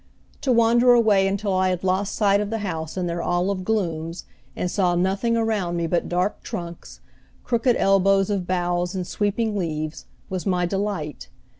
To wander away until I had lost sight of the house in their olive glooms and saw nothing around me but dark trunks, crooked elbows of boughs and sweeping leaves, was my delight.